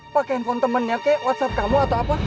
pake handphone temennya kayak whatsapp kamu atau apa